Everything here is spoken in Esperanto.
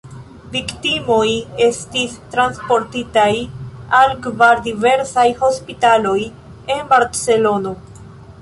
Viktimoj estis transportitaj al kvar diversaj hospitaloj en Barcelono.